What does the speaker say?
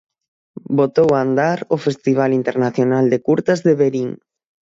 Botou a andar o festival internacional de curtas de Verín.